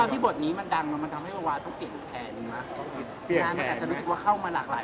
อันนี้นี่จะได้คุยกับแปลอ่ะใช่ไหมครับอาทิตย์ไปใช้ชีวิตจัดหยุดกับนหนุ่มในโลกไทย